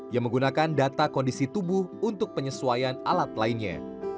yang menggunakan data kondisi tubuh untuk penyesuaian alat lainnya